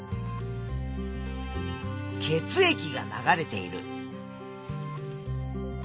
血液が流れている。